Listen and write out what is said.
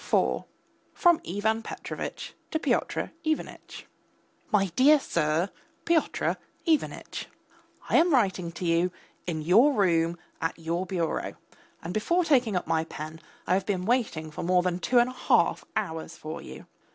IV (FROM IVAN PETROVITCH TO PYOTR IVANITCH) MY DEAR SIR, PYOTR IVANITCH! I am writing to you, in your room, at your bureau; and before taking up my pen, I have been waiting for more than two and a half hours for you.